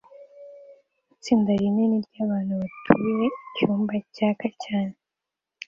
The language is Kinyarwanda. Itsinda rinini ryabantu batuye icyumba cyaka cyane